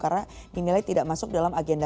karena dinilai tidak masuk dalam agenda